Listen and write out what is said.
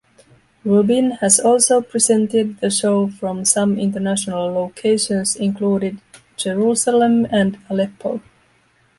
Rubin has also presented the show from some international locations including Jerusalem, and Aleppo.